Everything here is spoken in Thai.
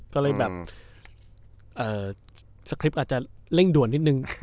ก็เลยแบบสคริปต์อาจจะเร่งด่วนนิดนึง